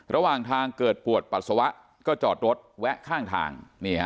ระหว่างทางเกิดปวดปัสสาวะก็จอดรถแวะข้างทาง